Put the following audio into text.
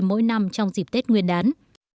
mỗi năm trong dịp tết nguyên đán